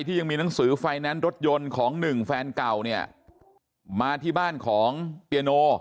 ยังมีหนังสือไฟแนนซ์รถยนต์ของหนึ่งแฟนเก่าเนี่ยมาที่บ้านของเปียโน